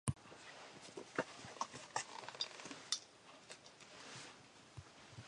Many years later his fifth and last symphony was dedicated to Myaskovsky's memory.